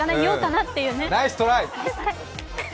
ナイストライ！